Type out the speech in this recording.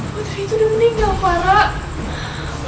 putri itu udah meninggal farah